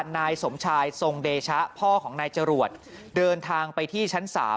นายสมชายทรงเดชะพ่อของนายจรวดเดินทางไปที่ชั้น๓